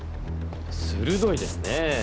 鋭いですねえ。